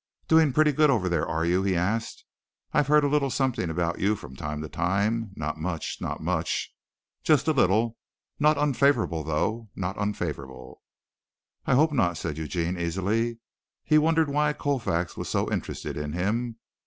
"Doing pretty good over there, are you?" he asked. "I've heard a little something about you from time to time. Not much. Not much. Just a little. Not unfavorable, though. Not unfavorable." "I hope not," said Eugene easily. He wondered why Colfax was so interested in him.